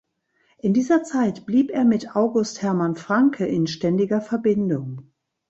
In dieser Zeit blieb er mit August Hermann Francke in ständiger Verbindung.